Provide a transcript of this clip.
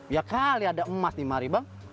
ya kali ada emas di mari bang